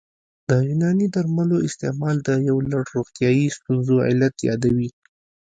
د یوناني درملو استعمال د یو لړ روغتیايي ستونزو علت یادوي